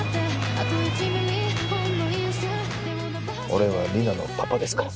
俺はリナのパパですから。